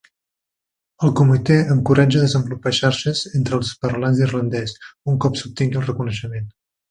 El comitè encoratja a desenvolupar xarxes entre els parlants d'irlandès un cop s'obtingui el reconeixement.